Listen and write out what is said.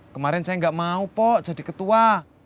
kemarin saya nggak mau pok jadi ketua